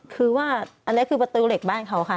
คือว่าอันนี้คือประตูเหล็กบ้านเขาค่ะ